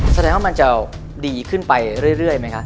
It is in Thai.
แสดงว่ามันจะดีขึ้นไปเรื่อยไหมคะ